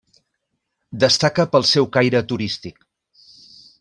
Destaca pel seu caire turístic.